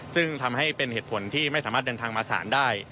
ซึ่งทำให้เป็นเหตุผลที่ไม่สามารถเดินทางมาศาลได้